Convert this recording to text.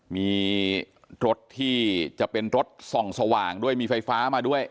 มีรถที่จะเป็นรถส่องสว่างด้วยมีไฟฟ้ามาด้วย